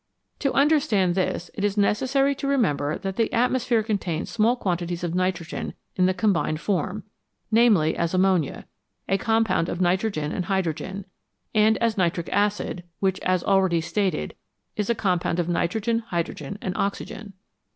To understand this it is necessary to remember that the atmosphere contains small quantities of nitrogen in the combined form, namely, as ammonia, a compound of nitrogen and hydrogen, and as nitric acid, which, as already stated, is a compound of nitrogen, hydrogen, and oxygen.